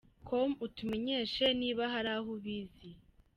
com utumenyeshe niba hari aho ubizi.